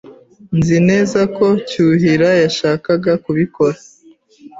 Nzi neza ko Cyuhira yashakaga kubikora.